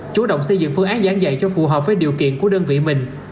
chủ động xây dựng phương án giảng dạy cho phù hợp với điều kiện của đơn vị mình